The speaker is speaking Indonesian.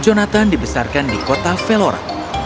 jonathan dibesarkan di kota velora